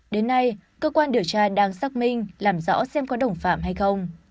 đến nay cơ quan điều tra đang xác minh làm rõ xem có đồng phạm hay không